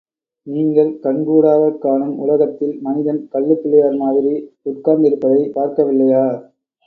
நீங்கள் கண்கூடாகக் காணும் உலகத்தில், மனிதன் கல்லுப் பிள்ளையார் மாதிரி உட்கார்ந்திருப்பதைப் பார்க்கவில்லையா?